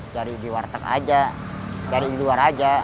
cari di warteg aja cari di luar aja